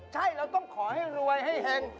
ใช่เราต้องขอให้รวยให้เห็ง